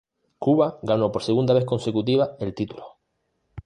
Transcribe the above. Cuba ganó por segunda vez consecutiva el título.